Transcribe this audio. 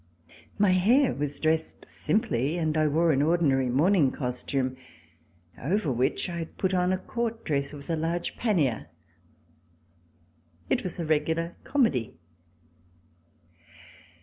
My hair was dressed simply, and I wore an ordinary morning costume, over which I had put on a court dress with a large pannier. It was a regular comedy.